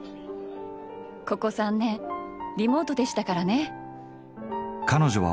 ここ３年リモートでしたからネ。